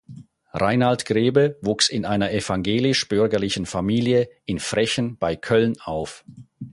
Rainald Grebe wuchs in einer evangelisch-bürgerlichen Familie in Frechen bei Köln auf.